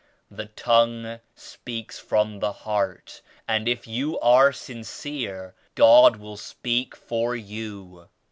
The tongue speaks from the heart, and if you are sincere God will speak for you.